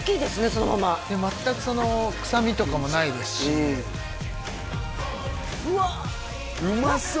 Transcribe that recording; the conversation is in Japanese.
そのまま全く臭みとかもないですしうわうまそう！